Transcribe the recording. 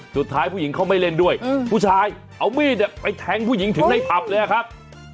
ผู้หญิงเขาไม่เล่นด้วยผู้ชายเอามีดไปแทงผู้หญิงถึงในผับเลยครับ